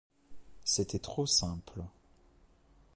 C’était trop simple.